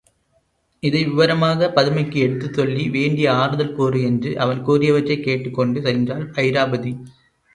இதை விவரமாகப் பதுமைக்கு எடுத்துச் சொல்லி, வேண்டிய ஆறுதல் கூறு என்று அவன் கூறியவற்றைக் கேட்டுக்கொண்டு சென்றாள் அயிராபதி.